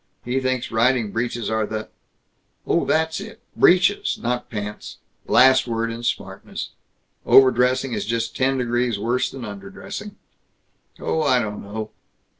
He thinks riding breeches are the " "Oh, that's it. Breeches, not pants." " last word in smartness. Overdressing is just ten degrees worse than underdressing." "Oh, I don't know.